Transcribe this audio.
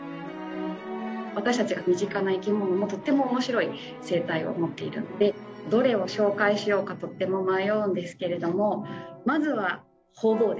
私たちが身近な生き物もとっても面白い生態を持っているのでどれを紹介しようかとっても迷うんですけれどもまずはホウボウですね。